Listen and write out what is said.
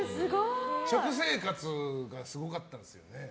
食生活がすごかったんですよね。